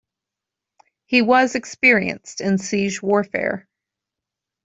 He was experienced in siege warfare.